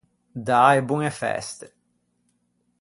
Dâ e boñe feste.